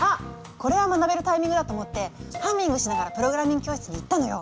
これは学べるタイミングだと思ってハミングしながらプログラミング教室に行ったのよ。